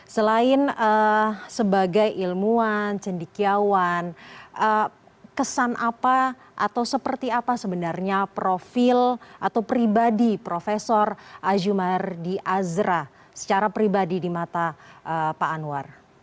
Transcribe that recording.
selain sebagai ilmuwan cendikiawan kesan apa atau seperti apa sebenarnya profil atau pribadi prof azumardi azra secara pribadi di mata pak anwar